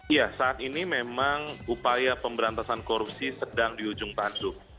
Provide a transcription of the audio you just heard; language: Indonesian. ya saat ini memang upaya pemberantasan korupsi sedang di ujung tanduk